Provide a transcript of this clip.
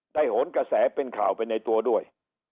โหนกระแสเป็นข่าวไปในตัวด้วย